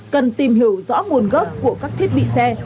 cần tìm hiểu rõ nguồn gốc của các thiết bị xe